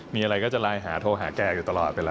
มีอะไรก็จะไลน์หาโทรหาแกอยู่ตลอดเวลา